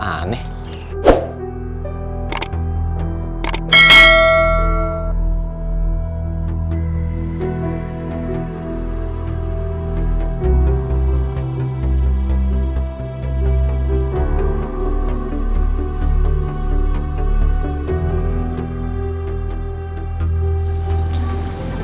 lapsang kenapa ini